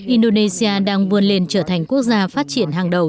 indonesia đang vươn lên trở thành quốc gia phát triển hàng đầu